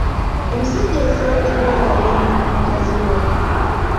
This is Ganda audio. Omusajja yasangiddwa ng'ayenda ku mukazi we.